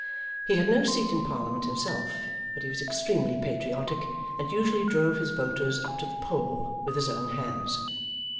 He had no seat in Parliament himself, but he was extremely patriotic, and usually drove his voters up to the poll with his own hands.